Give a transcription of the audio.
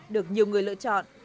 được nhiều người lựa chọn